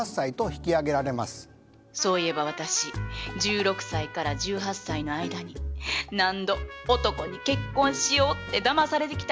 そういえば私１６歳から１８歳の間に何度男に「結婚しよう」ってだまされてきたことか。